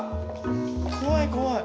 怖い怖い。